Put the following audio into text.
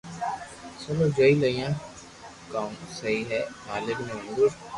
چلو جوئي ليو ڪاو سھي ھي مالڪ ني منظور